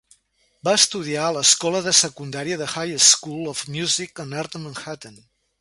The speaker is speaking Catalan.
Va estudiar a l'escola de secundària The High School of Music and Art de Manhattan.